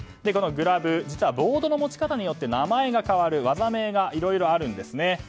このグラブ、実はボードの持ち方によって名前が変わる技名がいろいろあります。